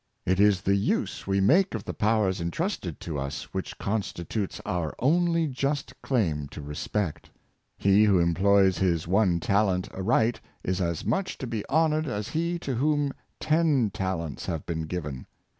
It is the use we make of the powers intrusted to us, which constitutes our only just claim to respect. He who employs his one talent aright is as much to be hon ored as he to whom ten talents have been given.